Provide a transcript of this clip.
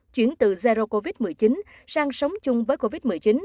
chuyển từ zero covid một mươi chín sang sống chung với covid một mươi chín